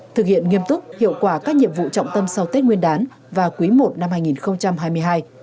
thực hiện nghiêm túc hiệu quả các nhiệm vụ trọng tâm sau tết nguyên đán và quý i năm hai nghìn hai mươi hai